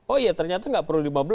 oh iya ternyata nggak perlu lima belas